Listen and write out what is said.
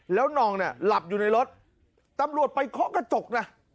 แล้วนองเนี่ยหลับอยู่ในรถตำรวจไปเคาะกระจกนะ